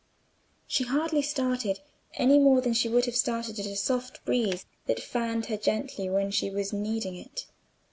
She hardly started, any more than she would have started at a soft breeze that fanned her gently when she was needing it.